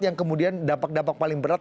yang kemudian dapat dapat paling berat